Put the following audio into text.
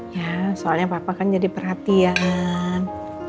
ya soalnya papa kan jadi perhatian